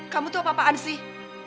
kamu tuh apa apaan sih